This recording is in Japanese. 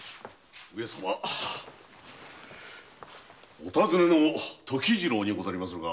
お尋ねの時次郎にございますが。